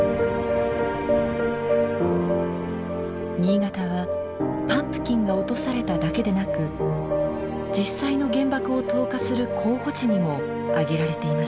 新潟はパンプキンが落とされただけでなく実際の原爆を投下する候補地にも挙げられていました。